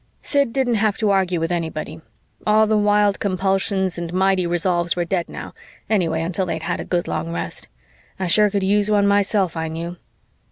Sid didn't have to argue with anybody; all the wild compulsions and mighty resolves were dead now, anyway until they'd had a good long rest. I sure could use one myself, I knew.